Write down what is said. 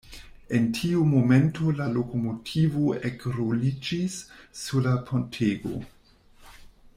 En tiu momento la lokomotivo ekruliĝis sur la pontego.